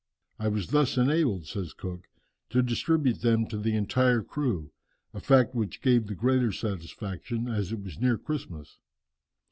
"I was thus enabled," says Cook, "to distribute them to the entire crew, a fact which gave the greater satisfaction as it was near Christmas.